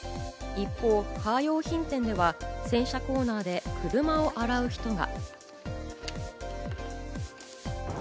一方、カー用品店では、洗車コーナーで車を洗う人が。